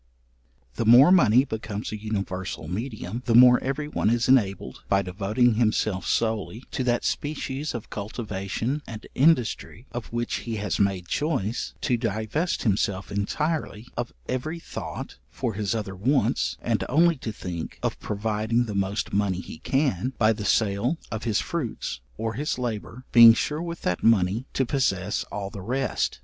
The more money becomes a universal medium, the more every one is enabled, by devoting himself solely to that species of cultivation and industry, of which he has made choice, to divest himself entirely of every thought for his other wants, and only to think of providing the most money he can, by the sale of his fruits or his labour, being sure with that money to possess all the rest.